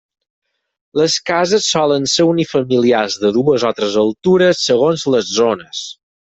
Les cases solen ser unifamiliars, de dues o tres altures, segons les zones.